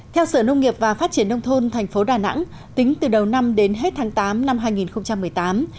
theo sở nông nghiệp và phát triển nông thôn thành phố đà nẵng tính từ đầu năm đến hết tháng tám năm hai nghìn một mươi tám